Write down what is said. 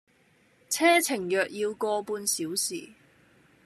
車程約要個半小時